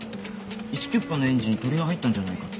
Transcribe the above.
１９８０のエンジン鳥が入ったんじゃないかって。